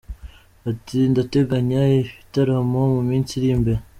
Ati : “Ndateganya ibitaramo mu minsi iri imbere.